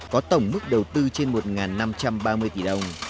có tổng mức đầu tư trên một năm trăm ba mươi tỷ đồng